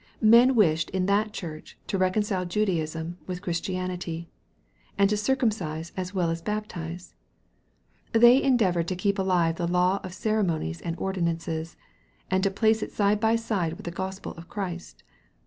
Men wished in that Church to re concile Judaism with Christianity, and to circumcise as well as baptize. They endeavored to keep alive the law of ceremonies and ordinances, and to place it side by side with the Gospel of Christ.